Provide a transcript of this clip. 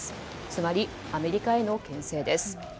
つまり、アメリカへの牽制です。